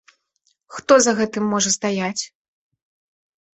Хто за гэтым можа стаяць?